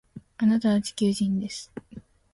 あなたは地球人です